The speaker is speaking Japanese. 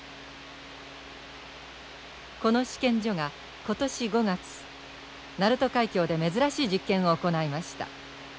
この試験所が今年５月鳴門海峡で珍しい実験を行いました。